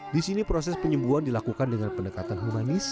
di sini proses penyembuhan dilakukan dengan pendekatan humanis